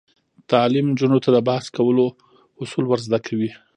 تعلیم نجونو ته د بحث کولو اصول ور زده کوي.